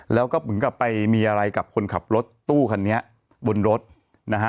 แล้วก็เหมือนกับไปมีอะไรกับคนขับรถตู้คันนี้บนรถนะฮะ